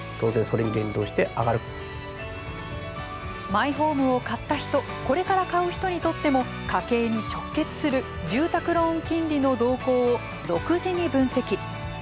マイホームを買った人これから買う人にとっても家計に直結する住宅ローン金利の動向を独自に分析。